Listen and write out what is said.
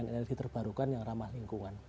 energi terbarukan yang ramah lingkungan